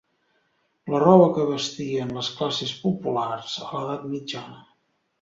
La roba que vestien les classes populars a l'Edat Mitjana.